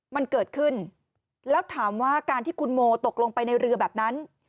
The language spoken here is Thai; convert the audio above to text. มันเกิดขึ้นแล้วถามว่าการที่คุณโมตกลงไปในเรือแบบนั้น